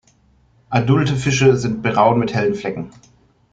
Adulte Fische sind braun mit hellen Flecken.